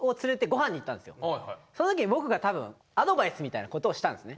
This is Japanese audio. その時に僕が多分アドバイスみたいなことをしたんですね。